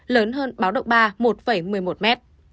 lớn hơn mức báo động ba là một một mươi một m